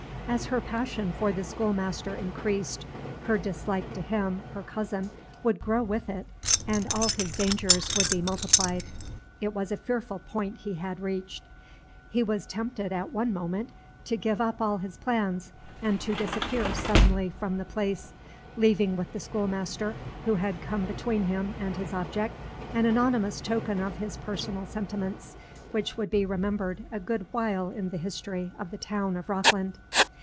As her passion for the schoolmaster increased, her dislike to him, her cousin, would grow with it, and all his dangers would be multiplied. It was a fearful point he had, reached. He was tempted at one moment to give up all his plans and to disappear suddenly from the place, leaving with the schoolmaster, who had come between him and his object, an anonymous token of his personal sentiments which would be remembered a good while in the history of the town of Rockland.